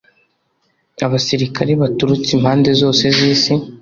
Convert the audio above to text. Abasirikare baturutse impande zose zisi